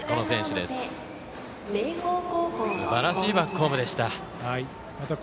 すばらしいバックホームでした。